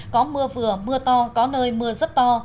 có mưa vừa mưa to có nơi mưa rất to